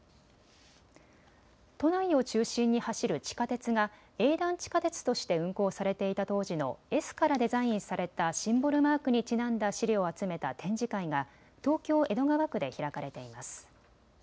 都内を中心に走る地下鉄が営団地下鉄として運行されていた当時のＳからデザインされたシンボルマークにちなんだ資料を集めた展示会が東京江戸川区で開かれています。